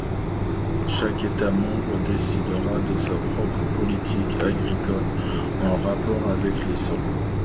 Chaque État membre décidera de sa propre politique agricole en rapport avec les sols.